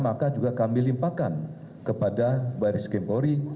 maka juga kami limpahkan kepada baris krimpori